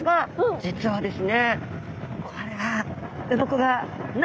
実はですね